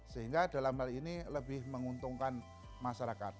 sehingga dalam hal ini lebih menguntungkan masyarakat